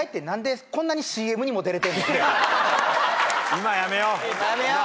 今はやめよう。